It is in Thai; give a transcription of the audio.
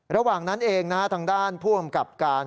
ระหว่างนั้นเองทางด้านผู้อำกับการ